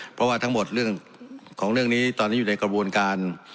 เพราะว่าทั้งหมดเรื่องของเรื่องนี้ตอนนี้อยู่ในกระบวนการ